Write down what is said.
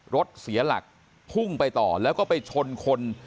รถเสียหลักพุ่งไปต่อแล้วก็ไปชนคน